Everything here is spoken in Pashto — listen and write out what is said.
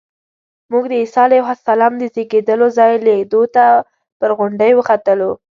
موږ د عیسی علیه السلام د زېږېدلو ځای لیدو ته پر غونډۍ وختلو.